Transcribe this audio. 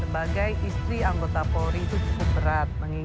sebagai istri anggota polri itu cukup berat